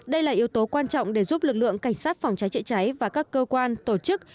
đây là yếu tố quan trọng để giúp lực lượng cảnh sát phòng cháy chữa cháy và các cơ quan tổ chức